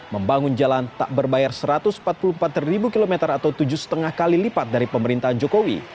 membangun jalan tak berbayar satu ratus empat puluh empat km atau tujuh lima kali lipat dari pemerintahan jokowi